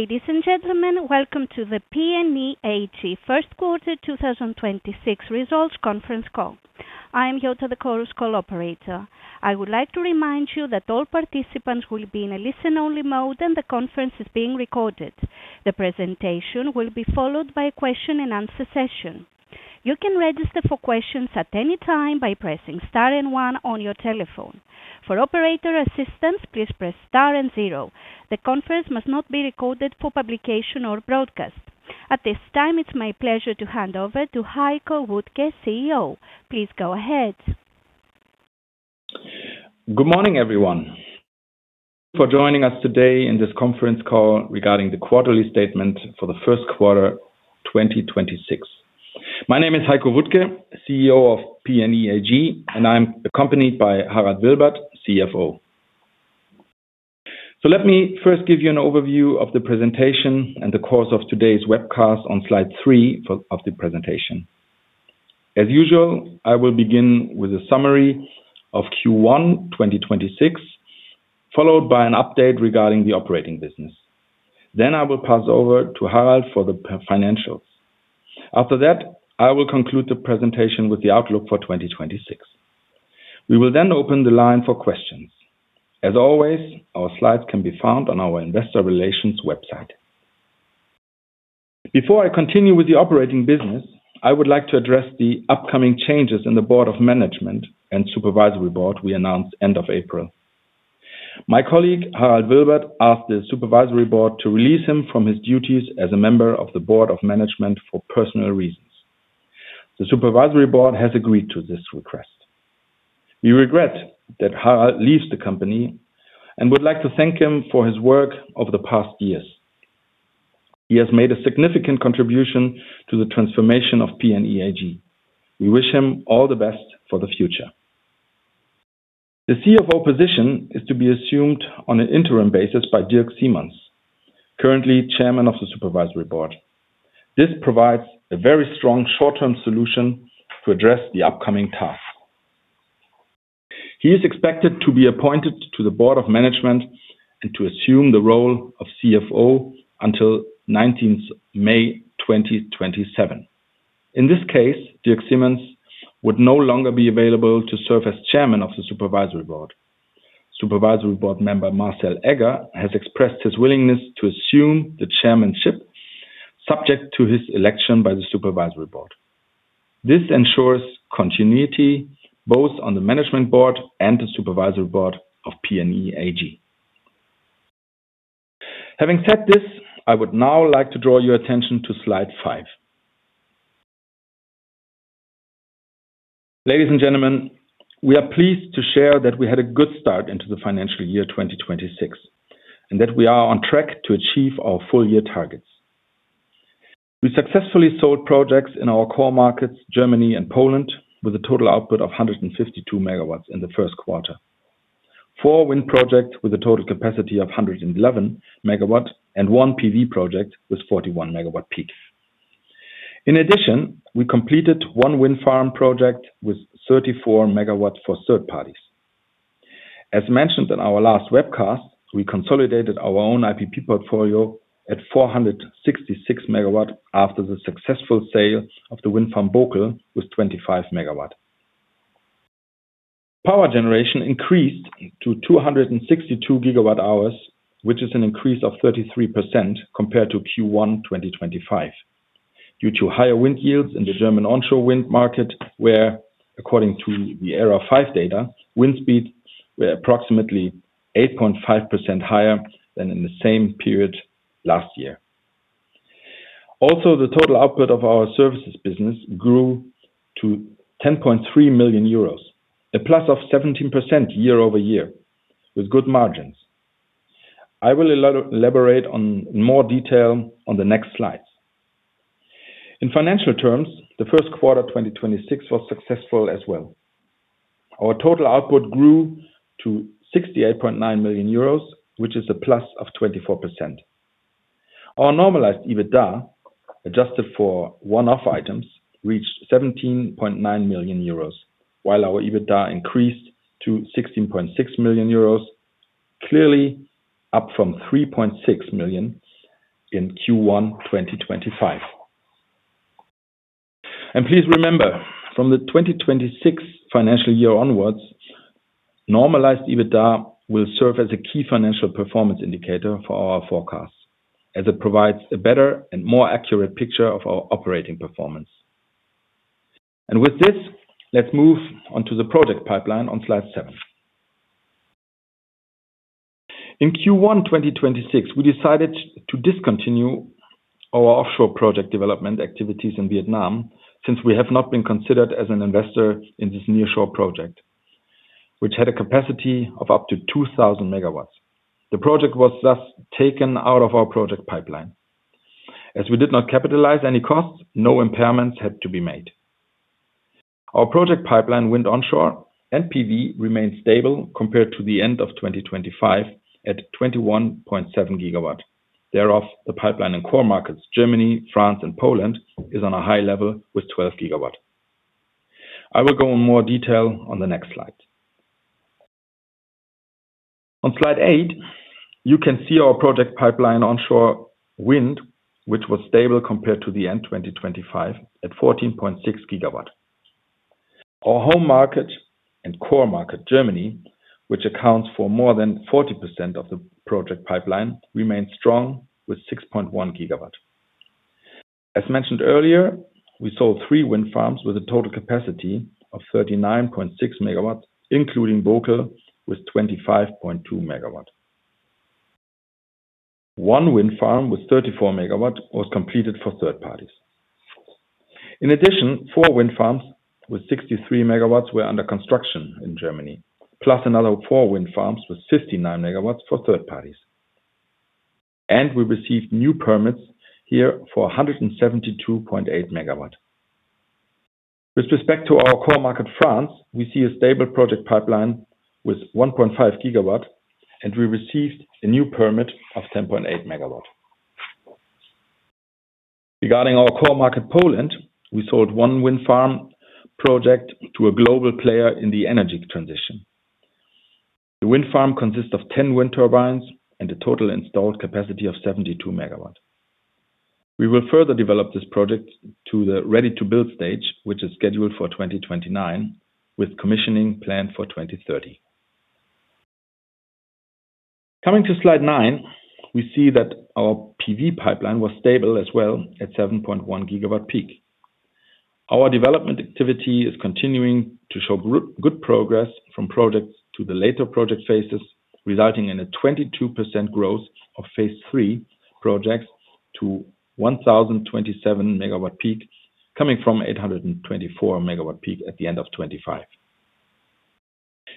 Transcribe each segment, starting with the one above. Ladies and gentlemen, welcome to the PNE AG first quarter 2026 results conference call. I am Yota, the Chorus Call operator. I would like to remind you that all participants will be in a listen-only mode, and the conference is being recorded. The presentation will be followed by a question and answer session. You can register for questions at any time by pressing star and one on your telephone. For operator assistance, please press star and zero. The conference must not be recorded for publication or broadcast. At this time, it's my pleasure to hand over to Heiko Wuttke, CEO. Please go ahead. Good morning, everyone. Thank you for joining us today in this conference call regarding the quarterly statement for the first quarter, 2026. My name is Heiko Wuttke, CEO of PNE AG, and I'm accompanied by Harald Wilbert, CFO. Let me first give you an overview of the presentation and the course of today's webcast on slide three of the presentation. As usual, I will begin with a summary of Q1, 2026, followed by an update regarding the operating business. I will pass over to Harald for the financials. After that, I will conclude the presentation with the outlook for 2026. We will then open the line for questions. As always, our slides can be found on our investor relations website. Before I continue with the operating business, I would like to address the upcoming changes in the Board of Management and Supervisory Board we announced end of April. My colleague, Harald Wilbert, asked the Supervisory Board to release him from his duties as a member of the Board of Management for personal reasons. The Supervisory Board has agreed to this request. We regret that Harald leaves the company and would like to thank him for his work over the past years. He has made a significant contribution to the transformation of PNE AG. We wish him all the best for the future. The CFO position is to be assumed on an interim basis by Dirk Simons, currently Chairman of the Supervisory Board. This provides a very strong short-term solution to address the upcoming task. He is expected to be appointed to the Management Board and to assume the role of CFO until 19th May, 2027. In this case, Dirk Simons would no longer be available to serve as Chairman of the Supervisory Board. Supervisory Board Member Marcel Egger has expressed his willingness to assume the chairmanship subject to his election by the Supervisory Board. This ensures continuity both on the Management Board and the Supervisory Board of PNE AG. Having said this, I would now like to draw your attention to slide five. Ladies and gentlemen, we are pleased to share that we had a good start into the financial year 2026 and that we are on track to achieve our full-year targets. We successfully sold projects in our core markets, Germany and Poland, with a total output of 152 MW in the first quarter. Four wind projects with a total capacity of 111 MW and one PV project with 41 MW peak. In addition, we completed one wind farm project with 34 MW for third parties. As mentioned in our last webcast, we consolidated our own IPP portfolio at 466 MW after the successful sale of the wind farm Bokel with 25 MW. Power Generation increased to 262 GWh, which is an increase of 33% compared to Q1 2025, due to higher wind yields in the German onshore wind market, where, according to the ERA5 data, wind speeds were approximately 8.5% higher than in the same period last year. Also, the total output of our Services business grew to 10.3 million euros, a plus of 17% year-over-year with good margins. I will elaborate on more detail on the next slides. In financial terms, the first quarter 2026 was successful as well. Our total output grew to 68.9 million euros, which is a plus of 24%. Our normalized EBITDA, adjusted for one-off items, reached 17.9 million euros, while our EBITDA increased to 16.6 million euros, clearly up from 3.6 million in Q1 2025. Please remember, from the 2026 financial year onwards, normalized EBITDA will serve as a key financial performance indicator for our forecast, as it provides a better and more accurate picture of our operating performance. With this, let's move on to the project pipeline on slide seven. In Q1 2026, we decided to discontinue our offshore Project Development activities in Vietnam, since we have not been considered as an investor in this nearshore project, which had a capacity of up to 2,000 MW. The project was thus taken out of our project pipeline. As we did not capitalize any costs, no impairments had to be made. Our project pipeline wind onshore and PV remains stable compared to the end of 2025 at 21.7 GW. Thereof, the pipeline in core markets, Germany, France, and Poland, is on a high level with 12 GW. I will go in more detail on the next slide. On slide eight, you can see our project pipeline onshore wind, which was stable compared to the end of 2025 at 14.6 GW. Our home market and core market, Germany, which accounts for more than 40% of the project pipeline, remains strong with 6.1 GW. As mentioned earlier, we sold three wind farms with a total capacity of 39.6 MW, including Bokel with 25.2 MW. One wind farm with 34 MW was completed for third parties. In addition, four wind farms with 63 MW were under construction in Germany, plus another four wind farms with 59 MW for third parties. We received new permits here for 172.8 MW. With respect to our core market, France, we see a stable project pipeline with 1.5 GW, and we received a new permit of 10.8 MW. Regarding our core market, Poland, we sold one wind farm project to a global player in the energy transition. The wind farm consists of 10 wind turbines and a total installed capacity of 72 MW. We will further develop this project to the ready-to-build stage, which is scheduled for 2029, with commissioning planned for 2030. Coming to slide nine, we see that our PV pipeline was stable as well at 7.1 GW peak. Our development activity is continuing to show good progress from projects to the later project phases, resulting in a 22% growth of Phase III projects to 1,027 MW peak, coming from 824 MW peak at the end of 2025.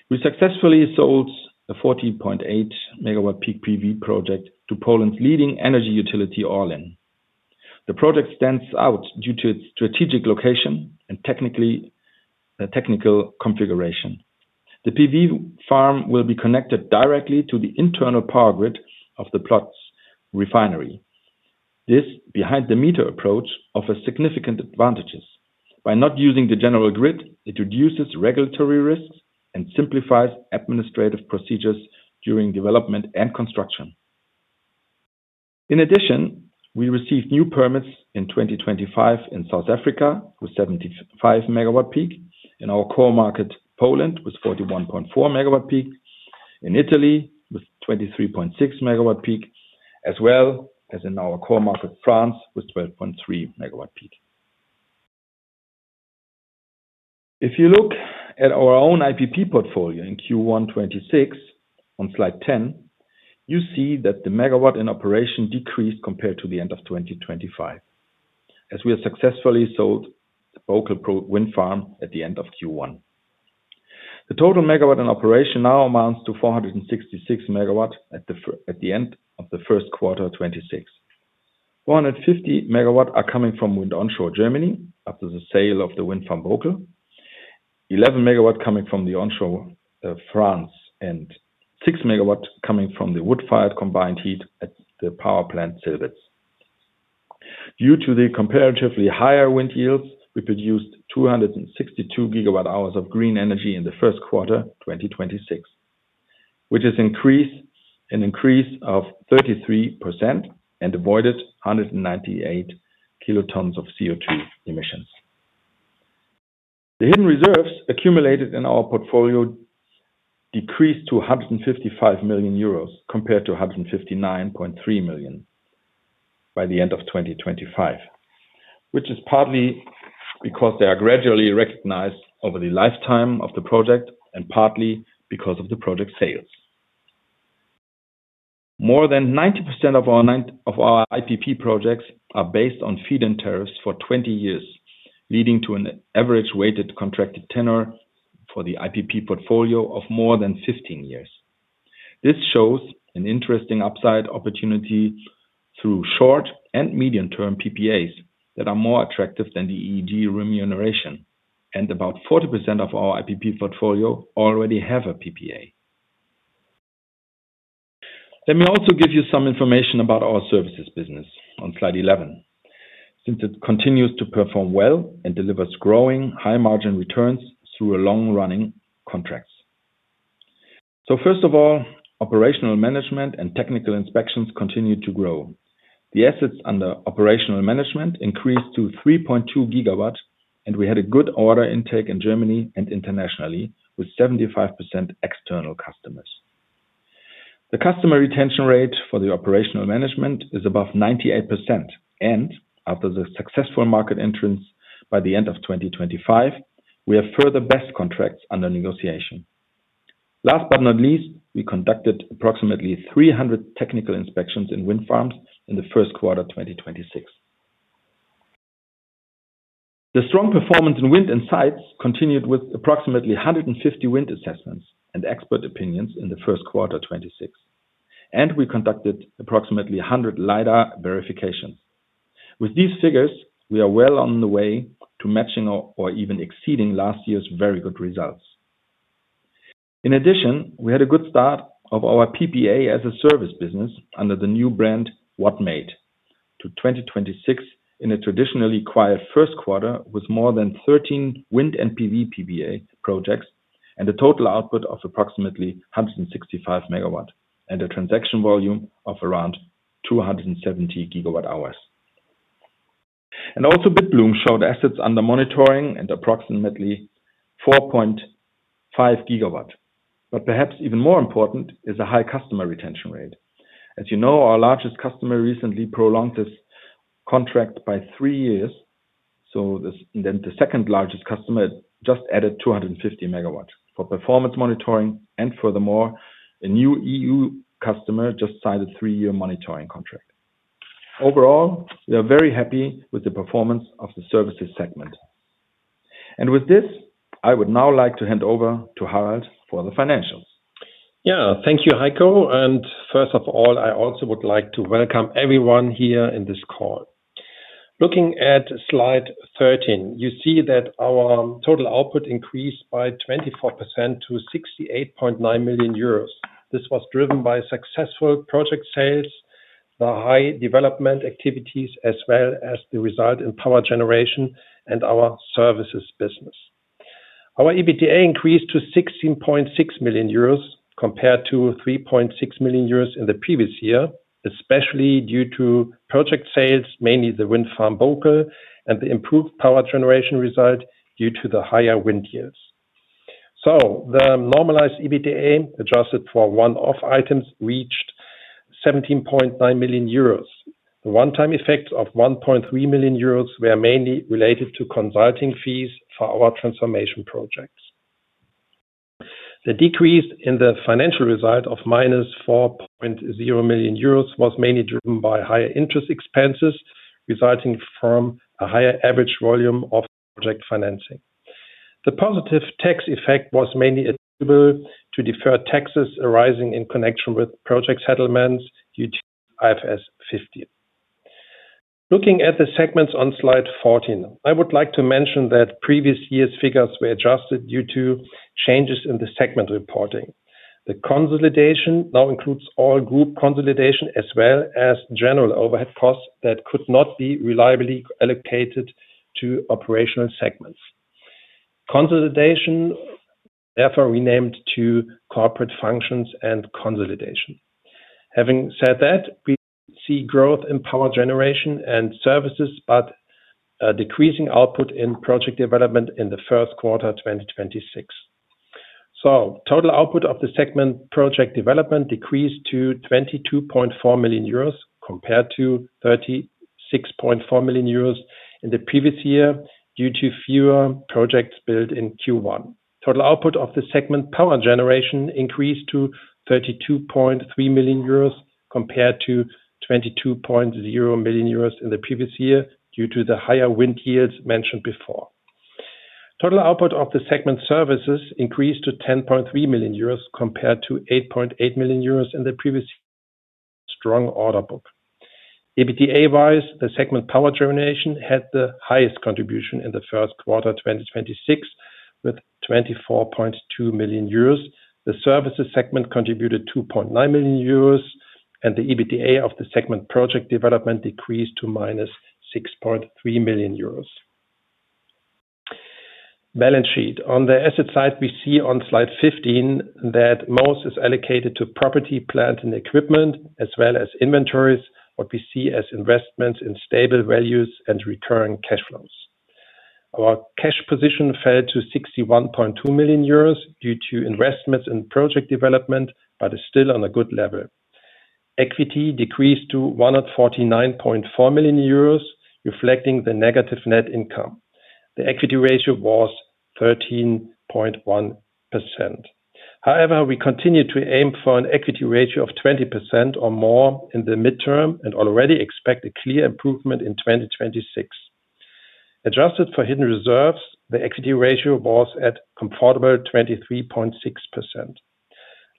We successfully sold a 14.8 MW peak PV project to Poland's leading energy utility, Orlen. The project stands out due to its strategic location and technically, technical configuration. The PV farm will be connected directly to the internal power grid of the Plock's refinery. This behind-the-meter approach offers significant advantages. By not using the general grid, it reduces regulatory risks and simplifies administrative procedures during development and construction. In addition, we received new permits in 2025 in South Africa with 75 MW peak. In our core market, Poland, with 41.4 MW peak. In Italy, with 23.6 MW peak, as well as in our core market, France, with 12.3 MW peak. If you look at our own IPP portfolio in Q1 2026 on slide 10, you see that the megawatt in operation decreased compared to the end of 2025, as we have successfully sold the Bokel wind farm at the end of Q1. The total megawatt in operation now amounts to 466 MW at the end of the first quarter 2026. 150 MW are coming from wind onshore Germany after the sale of the wind farm Bokel. 11 MW coming from the onshore France, and 6 MW coming from the wood-fired combined heat at the power plant Silbitz. Due to the comparatively higher wind yields, we produced 262 GWh of green energy in the first quarter 2026, which has increased, an increase of 33% and avoided 198 kt of CO2 emissions. The hidden reserves accumulated in our portfolio decreased to 155 million euros compared to 159.3 million by the end of 2025, which is partly because they are gradually recognized over the lifetime of the project and partly because of the project sales. More than 90% of our IPP projects are based on feed-in tariffs for 20 years, leading to an average weighted contracted tenor for the IPP portfolio of more than 15 years. This shows an interesting upside opportunity through short and medium-term PPAs that are more attractive than the EEG remuneration. About 40% of our IPP portfolio already have a PPA. Let me also give you some information about our Services business on slide 11, since it continues to perform well and delivers growing high-margin returns through a long-running contracts. First of all, operational management and technical inspections continue to grow. The assets under operational management increased to 3.2 GW, and we had a good order intake in Germany and internationally, with 75% external customers. The customer retention rate for the operational management is above 98%. After the successful market entrance by the end of 2025, we have further BESS contracts under negotiation. Last but not least, we conducted approximately 300 technical inspections in wind farms in the first quarter of 2026. The strong performance in wind and sites continued with approximately 150 wind assessments and expert opinions in the first quarter 2026, and we conducted approximately 100 LiDAR verifications. With these figures, we are well on the way to matching or even exceeding last year's very good results. In addition, we had a good start of our PPA-as-a-Service business under the new brand, Wattmate. In 2026, in a traditionally quiet first quarter, with more than 13 wind and PV PPA projects and a total output of approximately 165 MW and a transaction volume of around 270 GWh. Bitbloom showed assets under monitoring at approximately 4.5 GW. Perhaps even more important is the high customer retention rate. As you know, our largest customer recently prolonged this contract by three years. Then the second largest customer just added 250 MW for performance monitoring. Furthermore, a new EU customer just signed a three-year monitoring contract. Overall, we are very happy with the performance of the Services segment. With this, I would now like to hand over to Harald for the financials. Yeah. Thank you, Heiko. First of all, I also would like to welcome everyone here in this call. Looking at slide 13, you see that our total output increased by 24% to 68.9 million euros. This was driven by successful project sales, by high development activities, as well as the result in Power Generation and our Services business. Our EBITDA increased to 16.6 million euros compared to 3.6 million euros in the previous year, especially due to project sales, mainly the wind farm Bokel and the improved Power Generation result due to the higher wind years. The normalized EBITDA, adjusted for one-off items, reached 17.9 million euros. The one-time effect of 1.3 million euros were mainly related to consulting fees for our transformation projects. The decrease in the financial result of -4.0 million euros was mainly driven by higher interest expenses resulting from a higher average volume of project financing. The positive tax effect was mainly attributable to deferred taxes arising in connection with project settlements due to IFRS 15. Looking at the segments on slide 14, I would like to mention that previous years' figures were adjusted due to changes in the segment reporting. The consolidation now includes all group consolidation as well as general overhead costs that could not be reliably allocated to operational segments. Consolidation, therefore, renamed to corporate functions and consolidation. Having said that, we see growth in Power Generation and Services, but a decreasing output in Project Development in the first quarter 2026. Total output of the segment Project Development decreased to 22.4 million euros compared to 36.4 million euros in the previous year due to fewer projects built in Q1. Total output of the segment Power Generation increased to 32.3 million euros compared to 22.0 million euros in the previous year due to the higher wind years mentioned before. Total output of the segment Services increased to 10.3 million euros compared to 8.8 million euros in the previous strong order book. EBITDA-wise, the segment Power Generation had the highest contribution in the first quarter 2026, with 24.2 million euros. The Services segment contributed 2.9 million euros, and the EBITDA of the segment Project Development decreased to -6.3 million euros. Balance sheet. On the asset side, we see on slide 15 that most is allocated to property, plant, and equipment, as well as inventories, what we see as investments in stable values and recurring cash flows. Our cash position fell to 61.2 million euros due to investments in Project Development, but is still on a good level. Equity decreased to 149.4 million euros, reflecting the negative net income. The equity ratio was 13.1%. We continue to aim for an equity ratio of 20% or more in the midterm and already expect a clear improvement in 2026. Adjusted for hidden reserves, the equity ratio was at comparable 23.6%.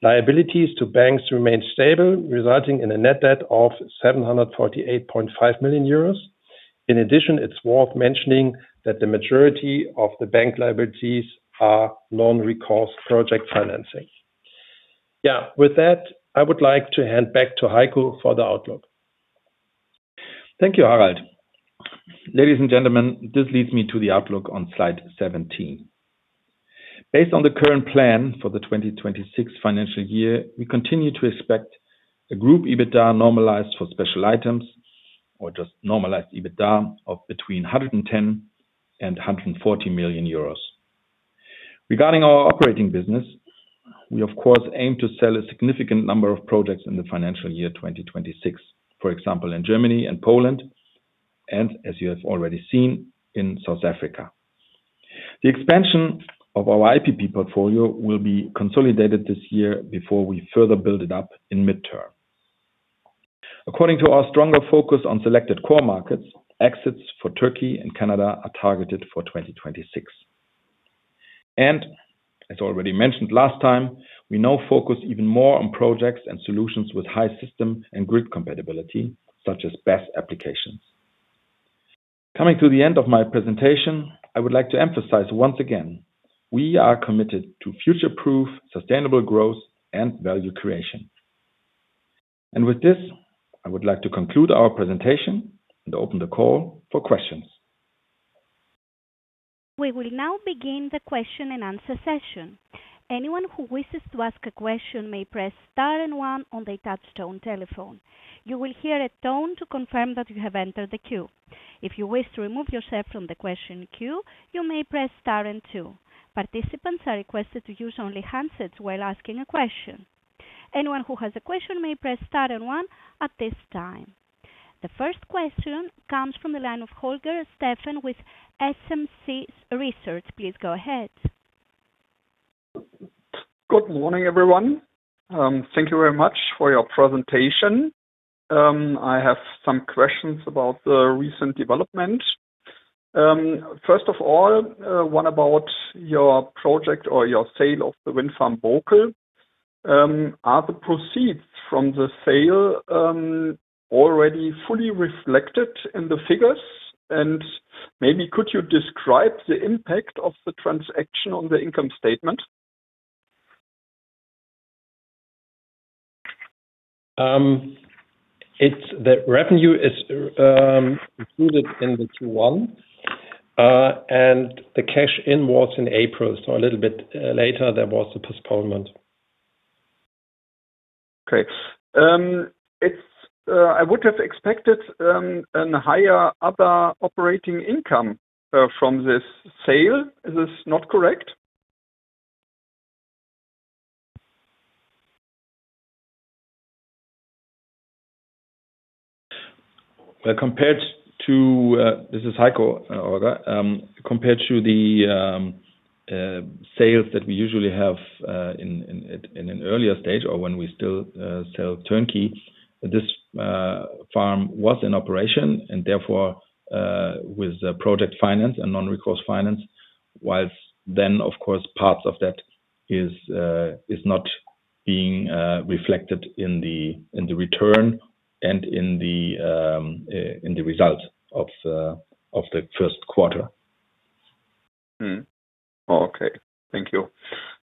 Liabilities to banks remain stable, resulting in a net debt of 748.5 million euros. In addition, it's worth mentioning that the majority of the bank liabilities are non-recourse project financing. Yeah. With that, I would like to hand back to Heiko for the outlook. Thank you, Harald. Ladies and gentlemen, this leads me to the outlook on slide 17. Based on the current plan for the 2026 financial year, we continue to expect a group EBITDA normalized for special items, or just normalized EBITDA, of between 110 million and 140 million euros. Regarding our operating business, we of course aim to sell a significant number of projects in the financial year 2026, for example, in Germany and Poland, and as you have already seen, in South Africa. The expansion of our IPP portfolio will be consolidated this year before we further build it up in midterm. According to our stronger focus on selected core markets, exits for Turkey and Canada are targeted for 2026. As already mentioned last time, we now focus even more on projects and solutions with high system and grid compatibility, such as BESS applications. Coming to the end of my presentation, I would like to emphasize once again, we are committed to future-proof, sustainable growth, and value creation. With this, I would like to conclude our presentation and open the call for questions. We will now begin the question-and-answer session. Anyone who wishes to task a question may press star and one on their touch-tone telephone. You will hear a tone to confirm you have entered the queue. If you wish to remove yourself from the question queue, you may press star and two. Participants are requested to use only handsets while asking a question. Anyone who was a question, may press star and one at this time. The first question comes from the line of Holger Steffen with SMC Research. Please go ahead. Good morning, everyone. Thank you very much for your presentation. I have some questions about the recent development. First of all, one about your project or your sale of the wind farm, Bokel. Are the proceeds from the sale already fully reflected in the figures? Maybe could you describe the impact of the transaction on the income statement? The revenue is included in the Q1, and the cash in was in April, so a little bit later. There was a postponement. Okay. I would have expected a higher other operating income from this sale. Is this not correct? This is Heiko, Holger. Compared to the sales that we usually have in an earlier stage or when we still sell turnkey, this farm was in operation and therefore with project finance and non-recourse finance, whilst then, of course, parts of that is not being reflected in the return and in the result of the first quarter. Okay. Thank you.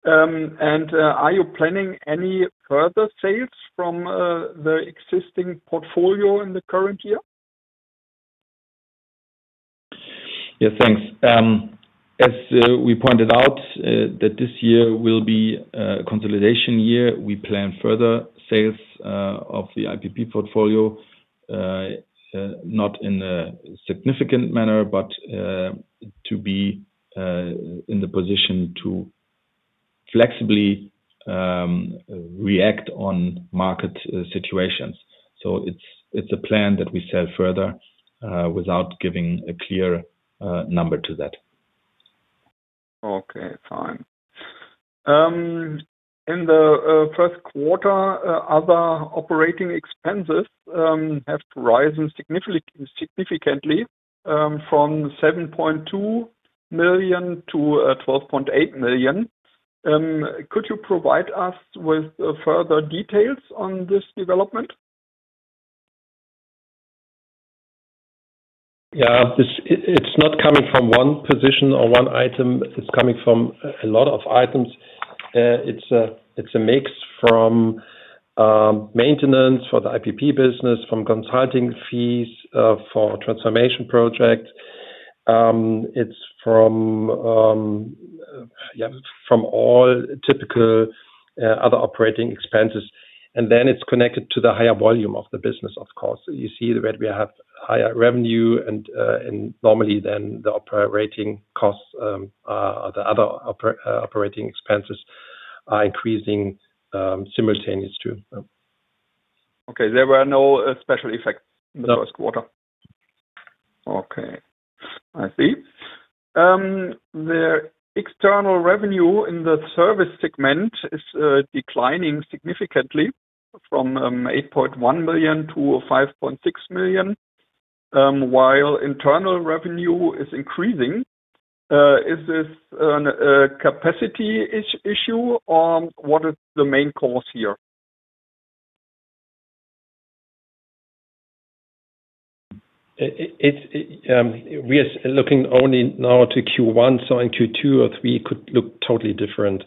Are you planning any further sales from the existing portfolio in the current year? Yeah, thanks. As we pointed out, that this year will be a consolidation year. We plan further sales of the IPP portfolio, not in a significant manner, but to be in the position to flexibly react on market situations. It's, it's a plan that we sell further, without giving a clear number to that. Okay, fine. In the first quarter, other operating expenses have risen significantly from 7.2 million to 12.8 million. Could you provide us with further details on this development? It's not coming from one position or one item. It's coming from a lot of items. It's a, it's a mix from maintenance for the IPP business, from consulting fees for transformation project. It's from all typical other operating expenses. Then it's connected to the higher volume of the business, of course. You see that we have higher revenue and normally then the operating costs, the other operating expenses are increasing simultaneously. Okay. There were no special effects— No. —in the first quarter. Okay. I see. The external revenue in the Service segment is declining significantly from 8.1 million to 5.6 million, while internal revenue is increasing. Is this a capacity issue or what is the main cause here? It's, we are looking only now to Q1, so in Q2 or Q3 could look totally different.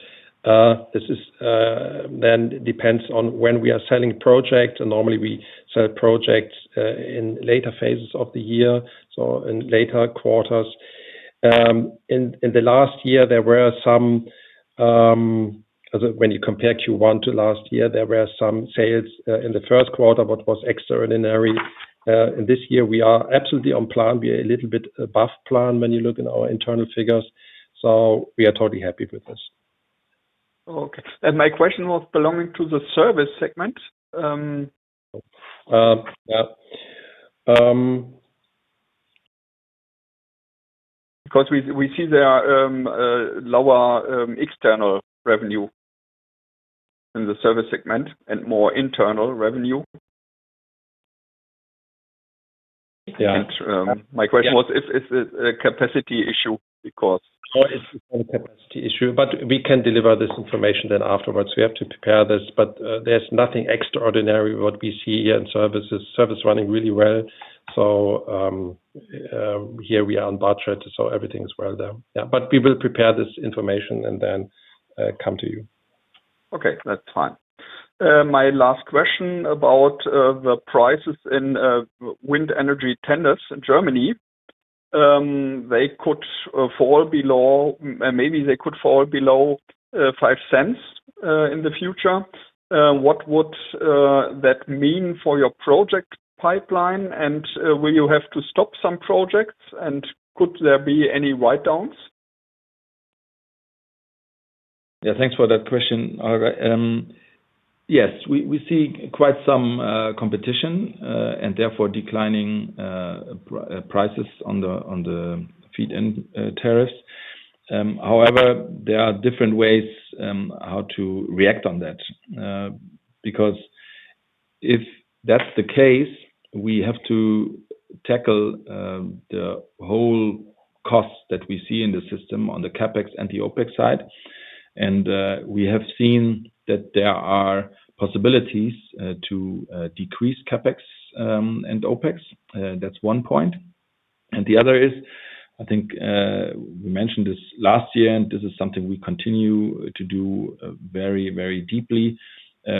This is, then depends on when we are selling projects. Normally, we sell projects in later phases of the year, so in later quarters. In the last year, there were some, when you compare Q1 to last year, there were some sales in the first quarter, what was extraordinary. In this year, we are absolutely on plan. We are a little bit above plan when you look in our internal figures, so we are totally happy with this. Okay. My question was belonging to the Service segment. Yeah. Because we see there are a lower external revenue in the Service segment and more internal revenue. Yeah. My question was if it's a capacity issue. No, it's not a capacity issue, but we can deliver this information then afterwards. We have to prepare this, but there's nothing extraordinary what we see here in Services. Service running really well. Here we are on budget, so everything is well there. Yeah. We will prepare this information and then come to you. Okay, that's fine. My last question about the prices in wind energy tenders in Germany. Maybe they could fall below 0.05 in the future. What would that mean for your project pipeline? Will you have to stop some projects, and could there be any write-downs? Yeah, thanks for that question. Yes, we see quite some competition and therefore declining prices on the feed-in tariffs. There are different ways how to react on that. Because if that's the case, we have to tackle the whole cost that we see in the system on the CapEx and the OpEx side. We have seen that there are possibilities to decrease CapEx and OpEx. That's one point. The other is, I think, we mentioned this last year, and this is something we continue to do very, very deeply.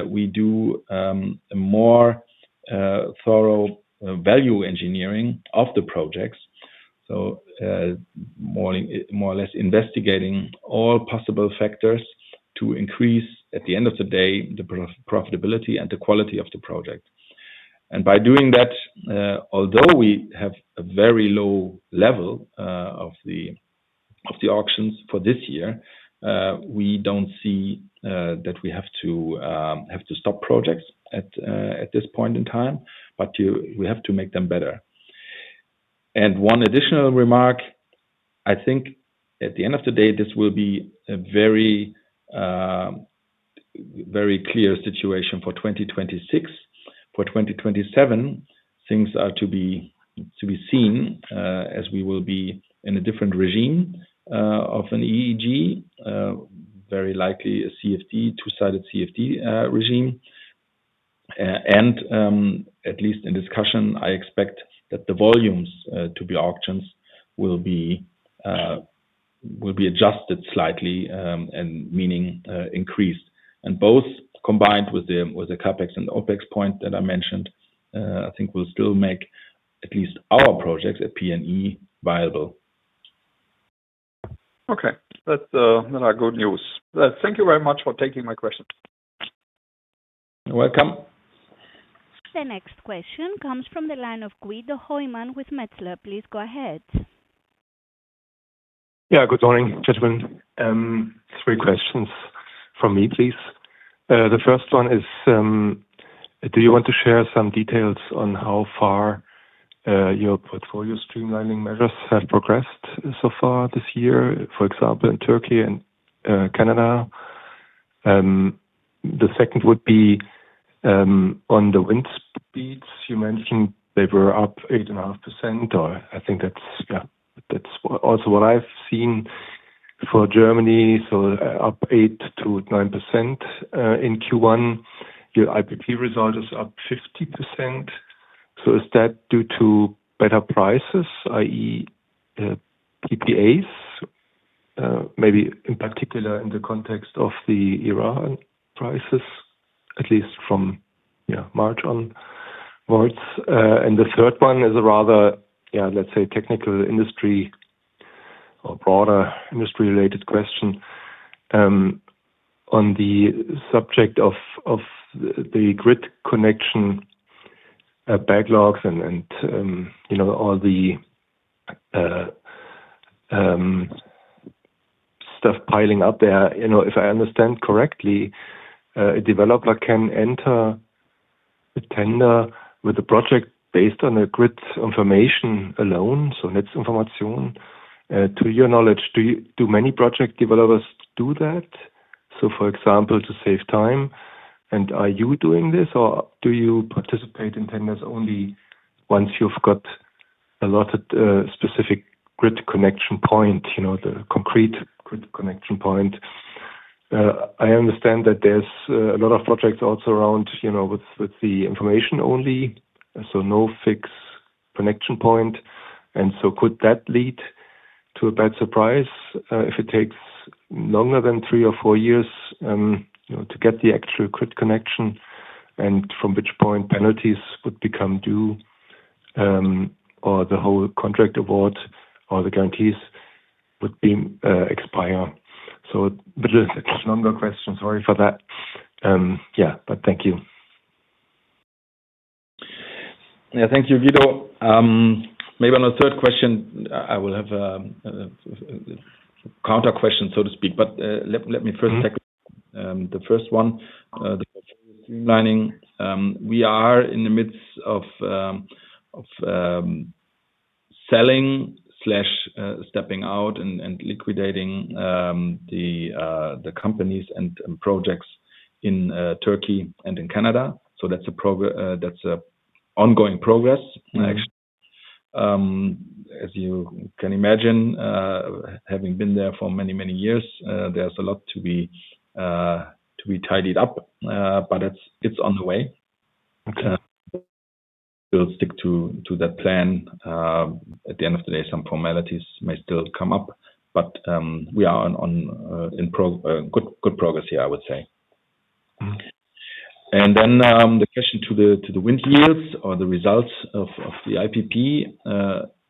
We do a more thorough value engineering of the projects. More or less investigating all possible factors to increase, at the end of the day, profitability and the quality of the project. By doing that, although we have a very low level of the auctions for this year, we don't see that we have to stop projects at this point in time, but we have to make them better. One additional remark, I think at the end of the day, this will be a very clear situation for 2026. For 2027, things are to be seen as we will be in a different regime of an EEG, very likely a CFD, two-sided CFD regime. At least in discussion, I expect that the volumes to be auctions will be adjusted slightly, meaning increased. Both combined with the CapEx and OpEx point that I mentioned, I think will still make at least our projects at PNE viable. Okay. That's, that are good news. Thank you very much for taking my questions. You're welcome. The next question comes from the line of Guido Hoymann with Metzler. Please go ahead. Good morning, gentlemen. Three questions from me, please. The first one is, do you want to share some details on how far your portfolio streamlining measures have progressed so far this year, for example, in Turkey and Canada? The second would be, on the wind speeds, you mentioned they were up 8.5%, or I think that's, yeah, that's also what I've seen for Germany, so, up 8%-9%. In Q1, your IPP result is up 50%. Is that due to better prices, i.e., PPAs, maybe in particular in the context of the Iran crisis, at least from, yeah, March onwards? The third one is a rather, let's say, technical industry or broader industry-related question on the subject of the grid connection backlogs and, you know, all the stuff piling up there. You know, if I understand correctly, a developer can enter a tender with a project based on a grid information alone, so Netzinformation. To your knowledge, do many project developers do that? For example, to save time, and are you doing this, or do you participate in tenders only once you've got allotted a specific grid connection point, you know, the concrete grid connection point? I understand that there's a lot of projects also around, you know, with the information only, so no fixed connection point. Could that lead to a bad surprise, if it takes longer than three or four years, you know, to get the actual grid connection, and from which point penalties would become due, or the whole contract award or the guarantees would be, expire? A bit of a longer question. Sorry for that. Thank you. Yeah. Thank you, Guido. Maybe on the third question, I will have a counter question, so to speak, let me first tackle the first one, the streamlining. We are in the midst of selling, stepping out and liquidating the companies and projects in Turkey and in Canada. That's ongoing progress. Actually, as you can imagine, having been there for many, many years, there's a lot to be tidied up. It's on the way. Okay. We'll stick to that plan. At the end of the day, some formalities may still come up, but we are on good progress here, I would say. Okay. The question to the wind yields or the results of the IPP.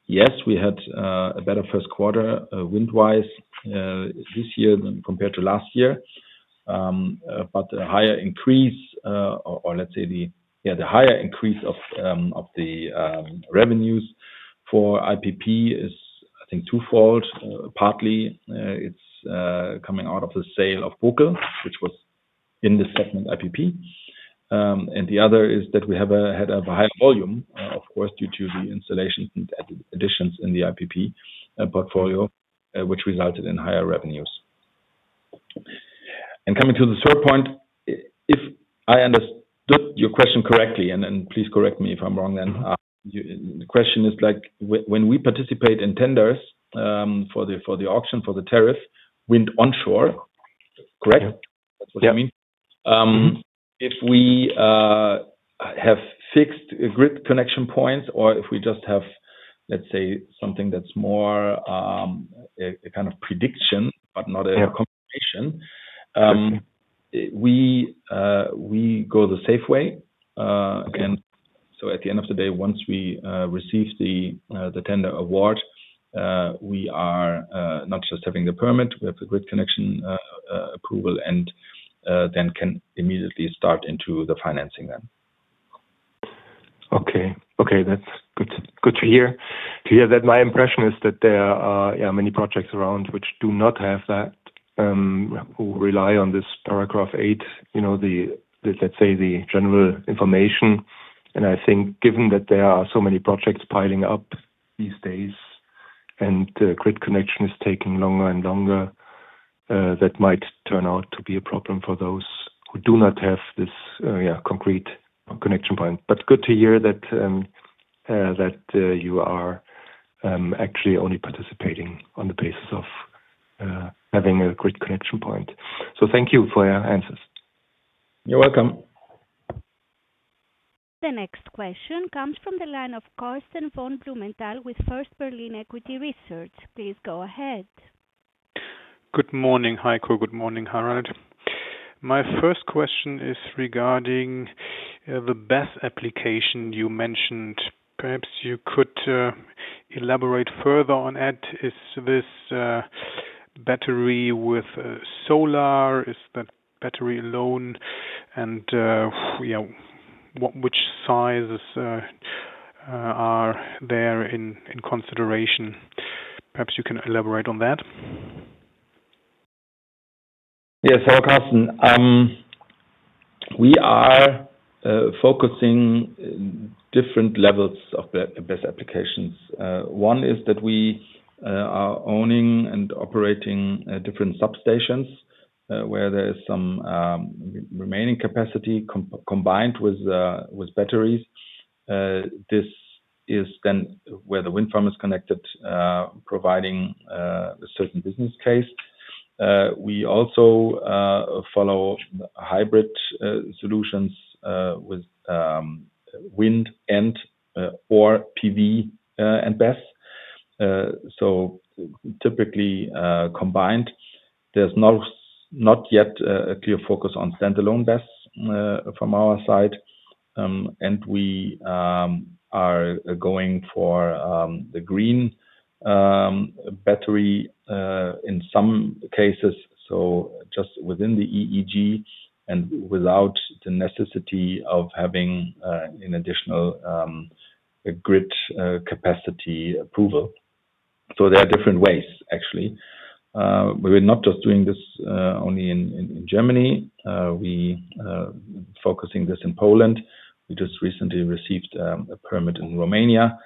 Yes, we had a better first quarter, wind-wise, this year than compared to last year. The higher increase of the revenues for IPP is, I think, twofold. Partly, it's coming out of the sale of Bokel, which was in the segment IPP. The other is that we had a high volume, of course, due to the installations and additions in the IPP portfolio, which resulted in higher revenues. Coming to the third point, if I understood your question correctly, and please correct me if I'm wrong then. The question is like when we participate in tenders, for the, for the auction, for the tariff, wind onshore, correct? Yeah. That's what you mean? If we have fixed grid connection points or if we just have, let's say, something that's more, a kind of prediction but not a confirmation. Yeah. We go the safe way. At the end of the day, once we receive the tender award, we are not just having the permit, we have the grid connection approval, and then can immediately start into the financing then. Okay. Okay, that's good to hear that. My impression is that there are many projects around which do not have that, who rely on this paragraph eight, you know, the, let's say, the general information. I think given that there are so many projects piling up these days, and grid connection is taking longer and longer, that might turn out to be a problem for those who do not have this concrete connection point. Good to hear that that you are actually only participating on the basis of having a grid connection point. Thank you for your answers. You're welcome. The next question comes from the line of Karsten von Blumenthal with First Berlin Equity Research. Please go ahead. Good morning, Heiko. Good morning, Harald. My first question is regarding the BESS application you mentioned. Perhaps you could elaborate further on that. Is this battery with solar? Is that battery alone? You know, which sizes are there in consideration? Perhaps you can elaborate on that. Hello, Karsten. We are focusing different levels of the BESS applications. One is that we are owning and operating different substations where there is some remaining capacity combined with batteries. This is then where the wind farm is connected, providing a certain business case. We also follow hybrid solutions with wind and or PV and BESS. Typically combined. There's not yet a clear focus on standalone BESS from our side. We are going for the green battery in some cases, so just within the EEG and without the necessity of having an additional grid capacity approval. There are different ways, actually. We're not just doing this only in Germany. We are focusing this in Poland. We just recently received a permit in Romania.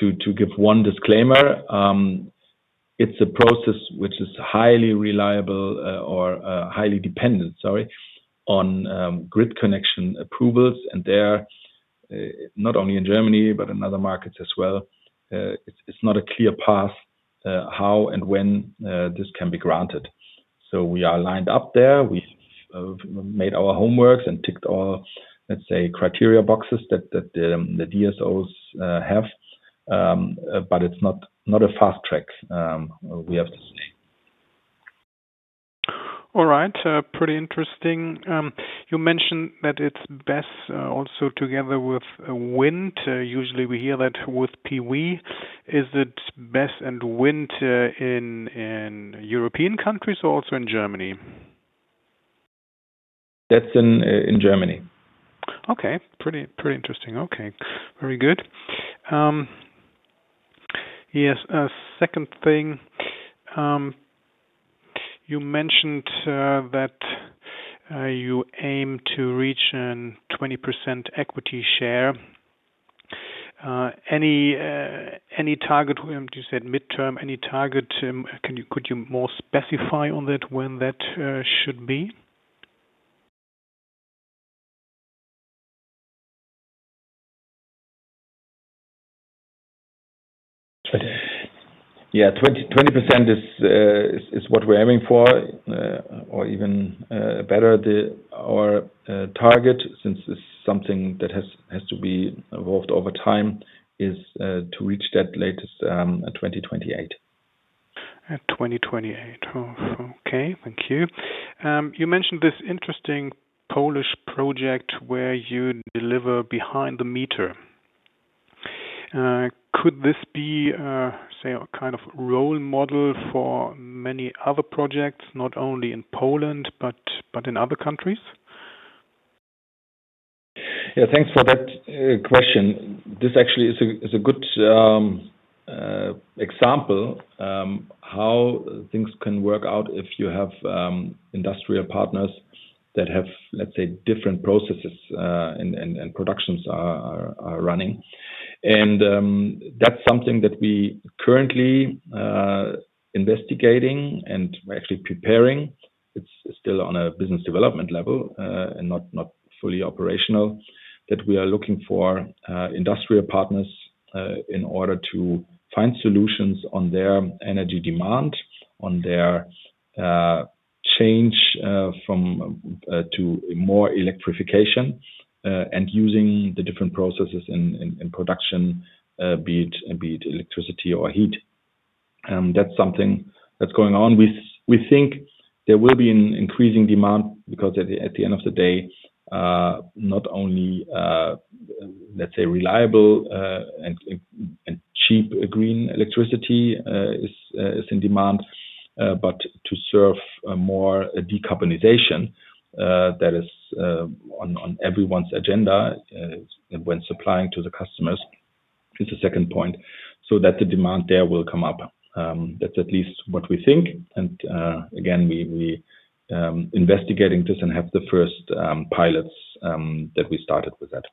To give one disclaimer, it's a process which is highly reliable or highly dependent, sorry, on grid connection approvals. There, not only in Germany but in other markets as well, it's not a clear path how and when this can be granted. We are lined up there. We've made our homework and ticked all, let's say, criteria boxes that the DSOs have. It's not a fast track, we have to say. All right. Pretty interesting. You mentioned that it's BESS, also together with wind. Usually we hear that with PV. Is it BESS and wind in European countries or also in Germany? That's in Germany. Okay. Pretty interesting. Okay. Very good. Second thing. You mentioned that you aim to reach a 20% equity share. Any target, you said midterm, any target, could you more specify on that when that should be? Yeah, 20% is what we're aiming for, or even better. Our target, since it's something that has to be evolved over time, is to reach that latest 2028. At 2028. Oh, okay. Thank you. You mentioned this interesting Polish project where you deliver behind-the-meter. Could this be a kind of role model for many other projects, not only in Poland, but in other countries? Thanks for that question. This actually is a good example how things can work out if you have industrial partners that have, let's say, different processes and productions are running. That's something that we currently investigating and we're actually preparing. It's still on a business development level and not fully operational, that we are looking for industrial partners in order to find solutions on their energy demand, on their change from to more electrification and using the different processes in production, be it electricity or heat. That's something that's going on. We think there will be an increasing demand because at the end of the day, not only let's say reliable and cheap green electricity is in demand, but to serve more decarbonization that is on everyone's agenda when supplying to the customers is the second point, so that the demand there will come up. That's at least what we think. Again, we investigating this and have the first pilots that we started with that.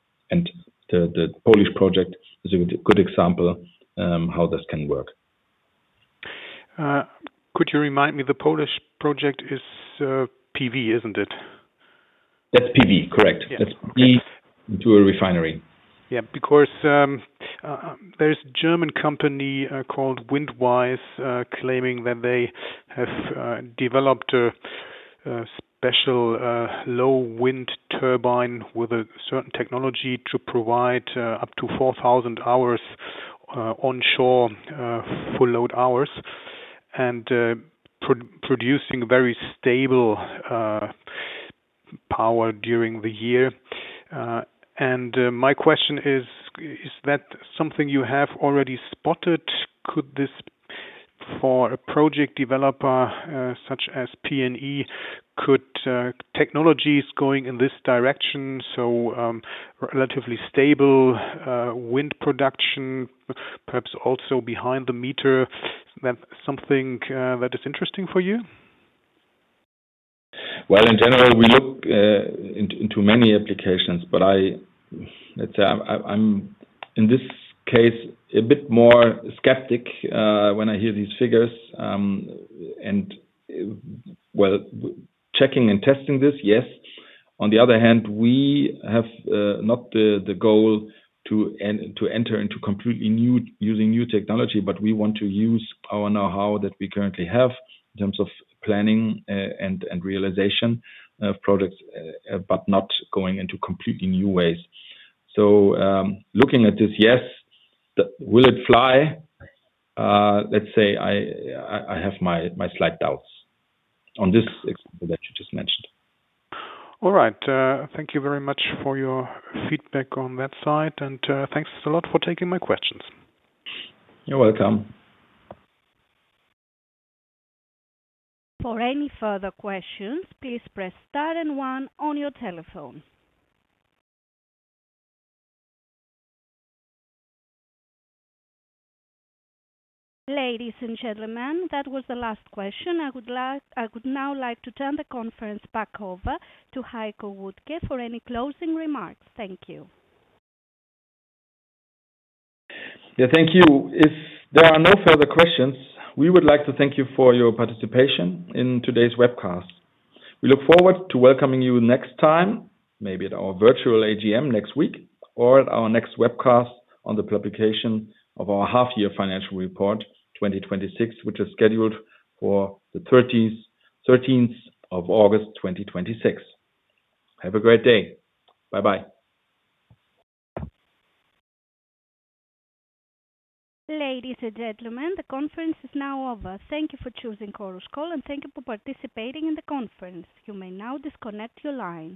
The Polish project is a good example how this can work. Could you remind me, the Polish project is PV, isn't it? That's PV, correct. Yeah, okay. That's PV to a refinery. Yeah. Because, there's a German company, called Windwise, claiming that they have, developed a special, low wind turbine with a certain technology to provide, up to 4,000-hours, onshore, full load hours and, producing very stable, power during the year. My question is that something you have already spotted? Could this, for a project developer, such as PNE, could, technologies going in this direction, so, relatively stable, wind production, perhaps also behind-the-meter, that something, that is interesting for you? Well, in general, we look into many applications. Let's say I'm in this case a bit more skeptic when I hear these figures. Well, checking and testing this, yes. On the other hand, we have not the goal to enter into completely new technology, but we want to use our know-how that we currently have in terms of planning and realization of products, but not going into completely new ways. Looking at this, yes. Will it fly? Let's say I have my slight doubts on this example that you just mentioned. All right. Thank you very much for your feedback on that side. Thanks a lot for taking my questions. You're welcome. For any further questions, please press star and one on your telephone. Ladies and gentlemen, that was the last question. I would now like to turn the conference back over to Heiko Wuttke for any closing remarks. Thank you. Yeah, thank you. If there are no further questions, we would like to thank you for your participation in today's webcast. We look forward to welcoming you next time, maybe at our virtual AGM next week or at our next webcast on the publication of our half-year financial report 2026, which is scheduled for the 13th of August 2026. Have a great day. Bye-bye. Ladies and gentlemen, the conference is now over. Thank you for choosing Chorus Call, and thank you for participating in the conference. You may now disconnect your line.